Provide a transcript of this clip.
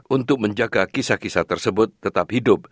untuk menjaga kisah kisah tersebut tetap hidup